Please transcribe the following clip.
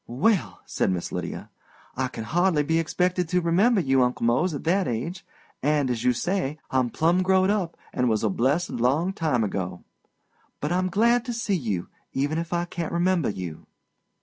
"Well," said Miss Lydia, "I can hardly be expected to remember you, Uncle Mose, at that age. And, as you say, I'm 'plum growed up,' and was a blessed long time ago. But I'm glad to see you, even if I can't remember you."